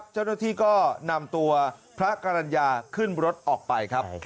เจ้าหน้าที่ก็นำตัวพระกรรณญาขึ้นรถออกไปครับ